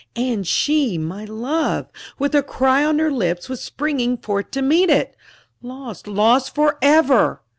And she my love with a cry on her lips, was springing forth to meet it lost, lost for ever!